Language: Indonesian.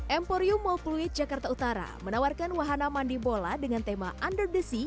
emporium mall pluit jakarta utara menawarkan wahana mandi bola dengan tema under the sea